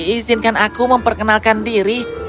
izinkan aku memperkenalkan diri